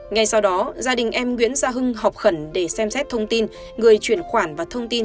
ngay sau đó gia đình em nguyễn gia hưng học khẩn để xem xét thông tin người chuyển khoản và thông tin